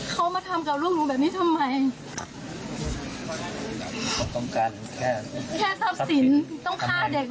ต้องฆ่าเด็กเลยเหรอคะ